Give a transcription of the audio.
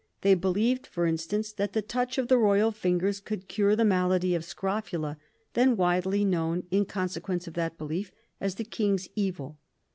They believed, for instance, that the touch of the royal fingers could cure the malady of scrofula, then widely known in consequence of that belief as the King's Evil.